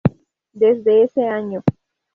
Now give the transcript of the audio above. Desde ese año.